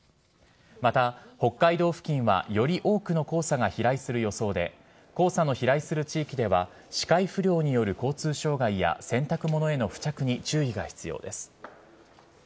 また、北海道付近はより多くの黄砂が飛来する予想で黄砂の飛来する地域では視界不良による交通障害や洗濯物への付着に注意が必要です。